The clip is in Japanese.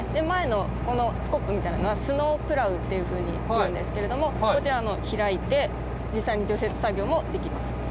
前のこのスコップみたいなのがスノープラウっていうふうに言うんですけれどもこちら開いて実際に除雪作業もできます。